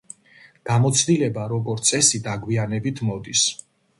გამოცდილება როგორც წესი დაგვიანებით მოდის.